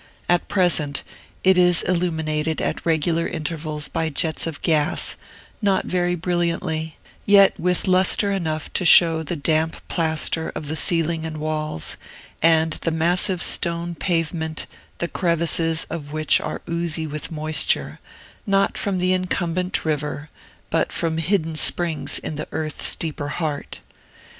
At present, it is illuminated at regular intervals by jets of gas, not very brilliantly, yet with lustre enough to show the damp plaster of the ceiling and walls, and the massive stone pavement, the crevices of which are oozy with moisture, not from the incumbent river, but from hidden springs in the earth's deeper heart.